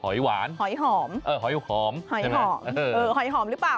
หอยหวานหอยหอมหอยหอมเหรือเปล่า